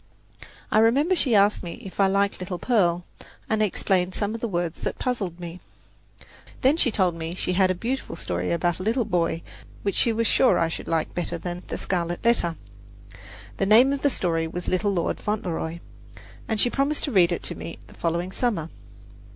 I remember she asked me if I liked little Pearl, and explained some of the words that had puzzled me. Then she told me that she had a beautiful story about a little boy which she was sure I should like better than "The Scarlet Letter." The name of the story was "Little Lord Fauntleroy," and she promised to read it to me the following summer.